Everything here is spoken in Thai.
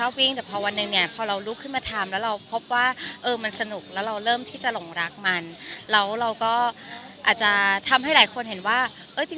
วิ่งแต่พอวันหนึ่งเนี่ยพอเราลุกขึ้นมาทำแล้วเราพบว่าเออมันสนุกแล้วเราเริ่มที่จะหลงรักมันแล้วเราก็อาจจะทำให้หลายคนเห็นว่าเออจริง